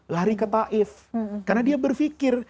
lari ke taif karena dia berpikir